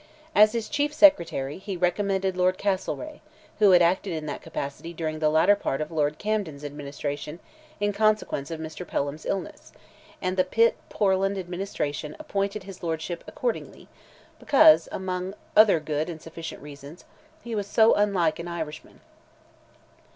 As his Chief Secretary, he recommended Lord Castlereagh, who had acted in that capacity during the latter part of Lord Camden's administration in consequence of Mr Pelham's illness; and the Pitt Portland administration appointed his lordship accordingly, because, among other good and sufficient reasons, "he was so unlike an Irishman."